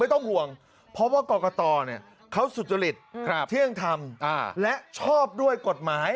ต้องห่วงเพราะว่ากรกตเขาสุจริตเที่ยงธรรมและชอบด้วยกฎหมาย